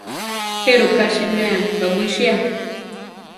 ¿Jéruka siméa kawísia?